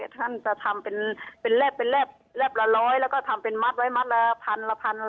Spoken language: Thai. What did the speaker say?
ท่านจะทำเป็นแรกละร้อยแล้วก็ทำเป็นมัดไว้มัดละพันอะไรอย่างนี้